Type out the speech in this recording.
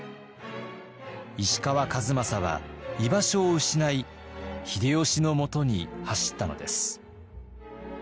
石川数正は居場所を失い秀吉のもとに走ったのです。